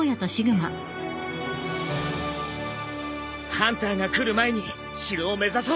ハンターが来る前に城を目指そう。